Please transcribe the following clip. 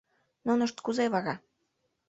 Нунышт кузе вара?